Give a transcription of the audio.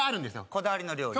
こだわりの料理